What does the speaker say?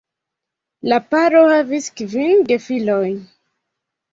La paro havis kvin gefilojn.